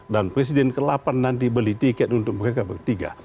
dan presiden ke delapan nanti beli tiket untuk mereka bertiga